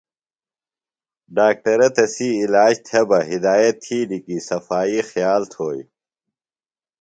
ڈاکٹرہ تسی عِلاج تھےۡ بہ ہدایت تِھیلیۡ کی صفائی خیال تھوئی۔